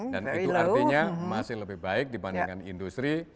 dan itu artinya masih lebih baik dibandingkan industri